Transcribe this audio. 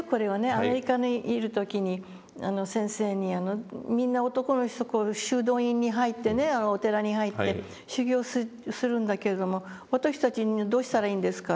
アメリカにいる時に先生に「みんな男の人こう修道院に入ってねお寺に入って修行するんだけれども私たちどうしたらいいんですか？